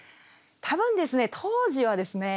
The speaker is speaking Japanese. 多分ですね当時はですね